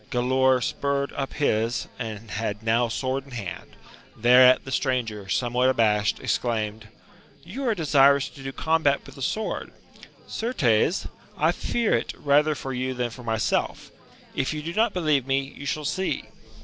Gkdaor spurred up his, and had now; sword in hand; thereat, the stranger, somewhat abashed, exclaimed. You are desirous to do combat with the sword ; certes, I fear it rather for you than for myself: if you do not believe me, you shall see.